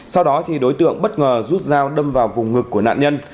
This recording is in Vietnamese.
sau đó thì đối tượng bất ngờ rút dao đâm vào vùng ngực của nạn nhân